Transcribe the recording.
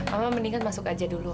mama mendingan masuk aja dulu